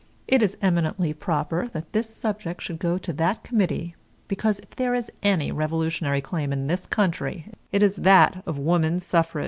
It is eminently proper that this subject should go to that committee because, if there is any revolutionary claim in this country, it is that of woman suffrage.